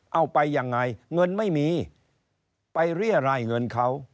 เอาไปยังไงเงินไม่มีไปเรียรายเงินเขา